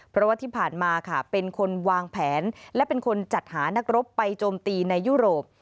เพราะว่าที่ผ่านมาค่ะเป็นคนวางแผนและเป็นคนจัดหานักรบไปโจมตีในยุโรป